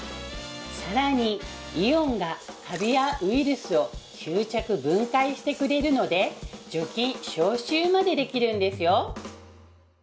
さらにイオンがカビやウイルスを吸着分解してくれるので除菌消臭までできるんですよ